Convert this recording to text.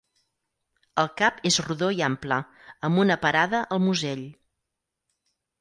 El cap és rodó i ample, amb una parada al musell.